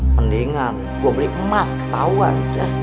mendingan gue beli emas ketahuan